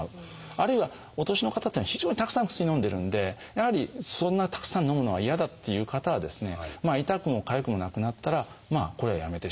あるいはお年の方っていうのは非常にたくさん薬のんでるんでやはりそんなにたくさんのむのは嫌だっていう方はですね痛くもかゆくもなくなったらこれはやめてしまう。